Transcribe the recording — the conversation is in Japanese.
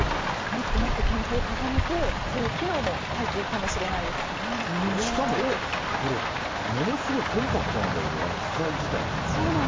もっともっと研究を重ねてそういう機能もしかも、ものすごいコンパクトなんだけど機械自体が。